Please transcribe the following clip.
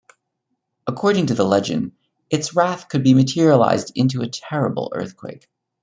According to the legend, its wrath could be materialized into a terrible earthquake.